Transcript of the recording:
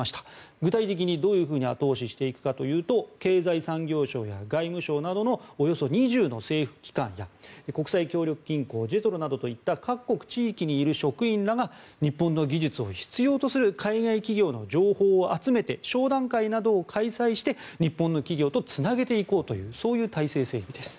具体的にどう後押ししていくかというと経済産業省や外務省などのおよそ２０の政府機関や国際協力銀行ＪＥＴＲＯなどといった各国地域にいる職員らが日本の技術を必要とする海外企業の情報を集めて商談会などを開催して日本の企業とつなげていこうという体制整備です。